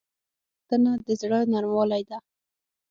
د بښنې غوښتنه د زړه نرموالی ده.